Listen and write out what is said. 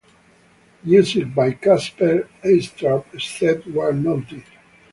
Music by Kasper Eistrup except where noted.